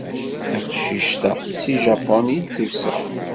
Taqcict-a seg Japun i d-tusa.